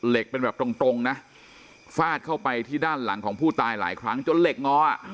เป็นแบบตรงนะฟาดเข้าไปที่ด้านหลังของผู้ตายหลายครั้งจนเหล็กง้ออ่ะ